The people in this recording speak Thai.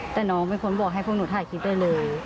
แต่น้องเป็นคนบอกให้พวกหนูถ่ายคลิปได้เลย